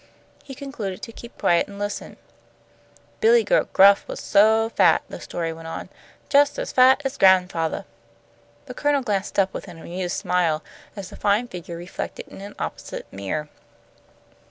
He concluded to keep quiet and listen. "Billy Goat Gruff was so fat," the story went on, "jus' as fat as gran'fathah." The Colonel glanced up with an amused smile at the fine figure reflected in an opposite mirror.